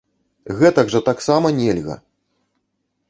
Гэтак жа таксама нельга!